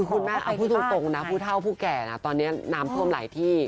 คุณแม่เอาพูดตรงนะผู้เท่าผู้แก่นะตอนนี้น้ำท่วมหลายที่